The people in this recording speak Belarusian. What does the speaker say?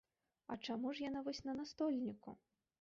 А чаму ж яна вось на настольніку?